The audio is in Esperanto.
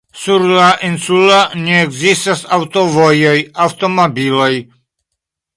Sur la insulo ne ekzistas aŭtovojoj, aŭtomobiloj.